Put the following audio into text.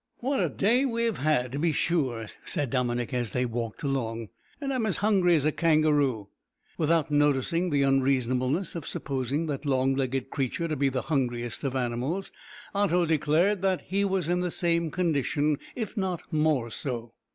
"What a day we have had, to be sure!" said Dominick as they walked along; "and I'm as hungry as a kangaroo." Without noticing the unreasonableness of supposing that long legged creature to be the hungriest of animals, Otto declared that he was in the same condition, "if not more so."